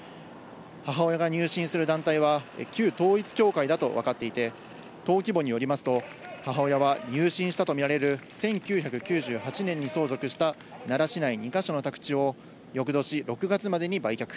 母親が入信する団体は旧統一教会だとわかっていて、登記簿によりますと母親は入信したとみられる１９９８年に相続した奈良市内２か所の宅地を翌年６月までに売却。